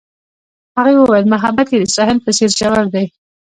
هغې وویل محبت یې د ساحل په څېر ژور دی.